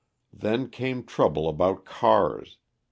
Then came trouble about cars.